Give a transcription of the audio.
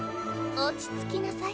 落ち着きなさい